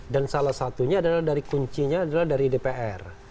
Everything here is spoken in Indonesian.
dan salah satunya adalah dari kuncinya adalah dari dpr